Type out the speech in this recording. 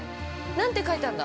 ◆何て書いてあんだ？